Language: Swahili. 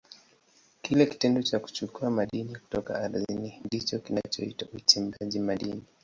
Kile kitendo cha kuchukua madini kutoka ardhini ndicho kinachoitwa uchimbaji madini.